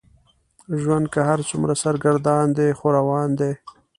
ژوند که هر څومره سرګردان دی خو روان دی.